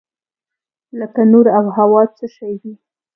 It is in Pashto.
لکه نور او هوا څه شی دي؟